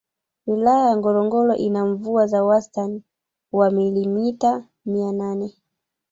Wilaya Ngorongoro ina mvua za wastani wa milimita mia nane